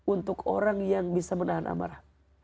untuk orang yang bisa menahan amarah